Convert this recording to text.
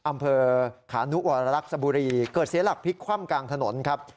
อำเภอขานุวรรลักษบุรีเกิดเสียหลักพลิกคว่ำกลางถนนครับ